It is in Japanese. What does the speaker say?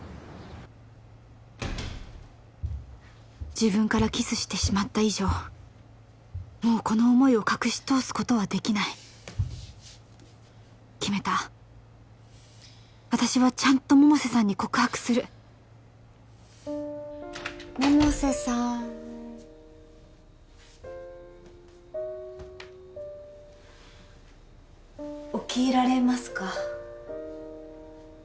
自分からキスしてしまった以上もうこの思いを隠し通すことはできない決めた私はちゃんと百瀬さんに告白する百瀬さん起きられますか？